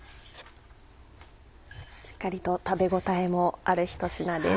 しっかりと食べ応えもあるひと品です。